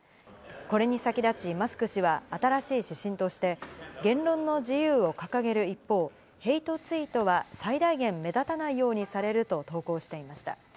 これに先立ち、マスク氏は新しい指針として、言論の自由を掲げる一方、ヘイトツイートは最大限目立たないようにされると投稿していました。